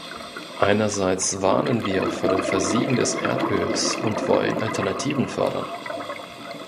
Einerseits warnen wir vor dem Versiegen des Erdöls und wollen Alternativen fördern.